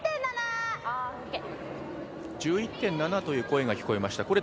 「１１．７」という声が聞こえました。